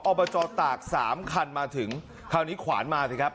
อุปจรตาก๓คันมาถึงคราวนี้ขวานมาเนี่ยครับ